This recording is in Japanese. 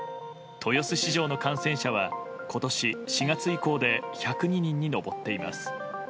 豊洲市場の感染者は今年４月以降で１０２人に上っています。